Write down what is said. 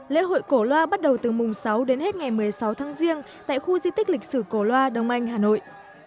lễ hội cổ loa bắt đầu từ mùng sáu đến hết ngày một mươi sáu tháng riêng tại khu di tích lịch sử cổ loa đông anh hà nội